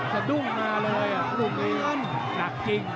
จะดุ้งมาเลยอ่ะหนักจริง